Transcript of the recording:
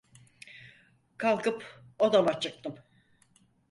Kalkıp odama çıktım.